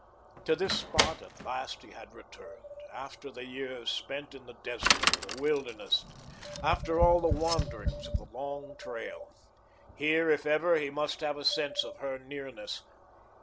To this spot, at last, he had returned, after the years spent in the desert, the wilderness after all the wanderings of the Long Trail. Here, if ever, he must have a sense of her nearness.